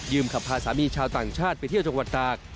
ขับพาสามีชาวต่างชาติไปเที่ยวจังหวัดตาก